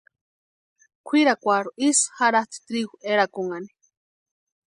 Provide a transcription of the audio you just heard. Kwʼirakwarhu isï jaratʼi trigu erakunhani.